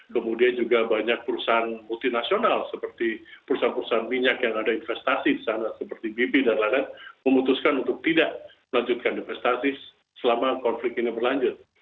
kemudian juga banyak perusahaan multinasional seperti perusahaan perusahaan minyak yang ada investasi di sana seperti bp dan lain lain memutuskan untuk tidak melanjutkan investasi selama konflik ini berlanjut